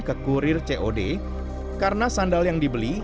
ke kurir cod karena sandal yang dibeli